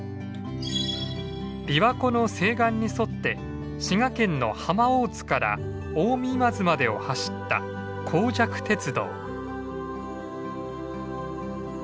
琵琶湖の西岸に沿って滋賀県の浜大津から近江今津までを走った江若鉄道。